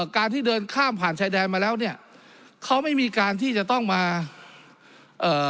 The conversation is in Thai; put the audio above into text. การที่เดินข้ามผ่านชายแดนมาแล้วเนี่ยเขาไม่มีการที่จะต้องมาเอ่อ